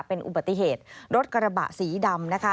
เป็นอุบัติเหตุรถกระบะสีดำนะคะ